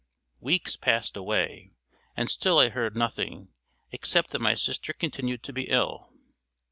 Weeks passed away, and still I heard nothing, except that my sister continued to be ill.